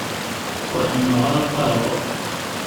Ur ḥemmleɣ ara lqahwa.